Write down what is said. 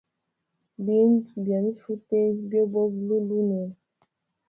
Bindu byanifuteya byoboba lulunwe.